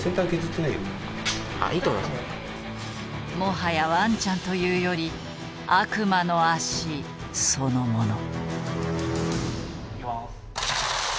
もはやワンちゃんというより悪魔の脚そのもの。